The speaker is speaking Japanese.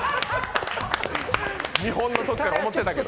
見本のときから思ってたけど。